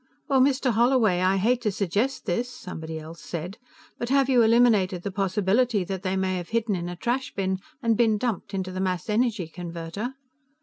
"Well, Mr. Holloway, I hate to suggest this," somebody else said, "but have you eliminated the possibility that they may have hidden in a trash bin and been dumped into the mass energy converter?"